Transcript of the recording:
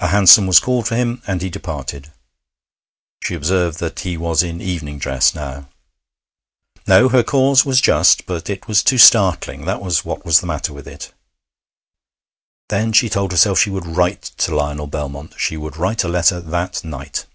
A hansom was called for him, and he departed; she observed that he was in evening dress now. No! Her cause was just; but it was too startling that was what was the matter with it. Then she told herself she would write to Lionel Belmont. She would write a letter that night.